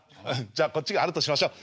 じゃこっちがあるとしましょう。